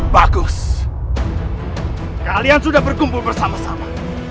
bagus kalian sudah berkumpul bersama sama